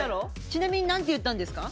ちなみに何て言ったんですか？